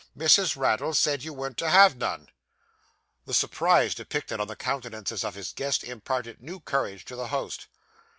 'Missis Raddle said you warn't to have none.' The surprise depicted on the countenances of his guests imparted new courage to the host.